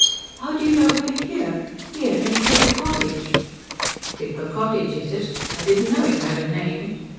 "How do you know we're here here, in Creeper Cottage?" "Creeper Cottage is it? I didn't know it had a name.